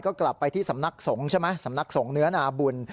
ก็กลับไปที่สำนักสงฆ์ใช่ไหมสำนักสงฆ์เนื้อนาบุญ